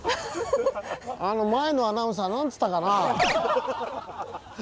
あの前のアナウンサーなんつったかなあ。